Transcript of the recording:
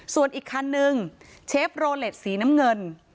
ส่วนอีกคันนึงเชฟโรเล็ตสีน้ำเงิน